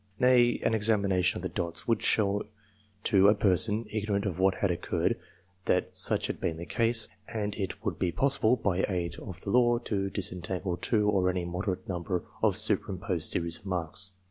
Nay, an examination of the dots would show to a person, ignorant of what had occurred, that such had been the case, and it would be possible, by aid of the law, to dis entangle two or any moderate number of superimposed series of marks.